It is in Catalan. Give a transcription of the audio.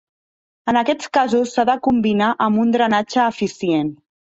En aquests casos s'ha de combinar amb un drenatge eficient.